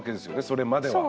それまでは。